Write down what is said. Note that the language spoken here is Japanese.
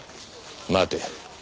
待て。